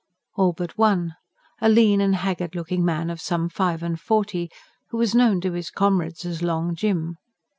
All but one: a lean and haggard looking man of some five and forty, who was known to his comrades as Long Jim.